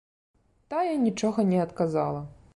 Тая нічога не адказала.